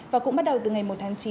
và cũng bắt đầu từ ngày một tháng chín